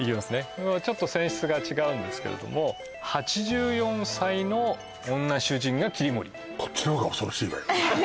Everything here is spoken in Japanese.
これはちょっと泉質が違うんですけれど８４歳の女主人が切り盛りこっちの方が恐ろしいわよ